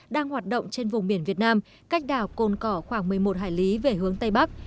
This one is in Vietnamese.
đang hoạt động trên vùng biển việt nam cách đảo cồn cỏ khoảng một mươi một hải lý về hướng tây bắc